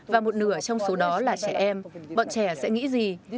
và một nửa trong số đó là trẻ em bọn trẻ sẽ nghĩ gì